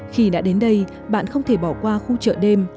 khi đã đến đây bạn không thể bỏ qua khu chợ đêm